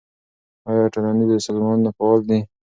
آیا ټولنیز سازمانونه فعال دي؟